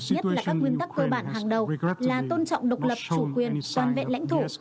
nhất là các nguyên tắc cơ bản hàng đầu là tôn trọng độc lập chủ quyền toàn vẹn lãnh thổ